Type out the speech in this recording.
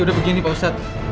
yaudah begini pak ustadz